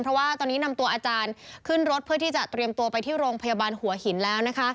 เพราะว่าตอนนี้นำตัวอาจารย์ขึ้นรถเพื่อที่จะเตรียมตัวไปที่โรงพยาบาลหัวหินแล้วนะคะ